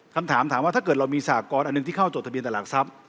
คำถามถามว่าถ้าเกิดเรามีสากรณ์อันหนึ่งที่เข้าจดทะเบียนตลาดทรัพย์